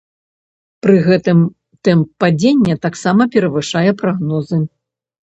Пры гэтым тэмп падзення таксама перавышае прагнозны.